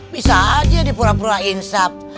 bisa aja dipura pura insap